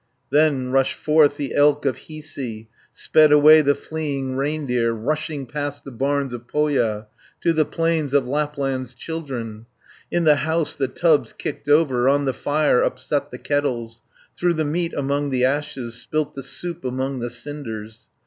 Then rushed forth the elk of Hiisi, Sped away the fleeing reindeer, Rushing past the barns of Pohja, To the plains of Lapland's children, 130 In the house the tubs kicked over, On the fire upset the kettles, Threw the meat among the ashes, Spilt the soup among the cinders.